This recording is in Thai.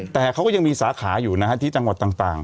แต่เขาก็ยังมีสาขาอยู่นะฮะที่จังหวัดต่าง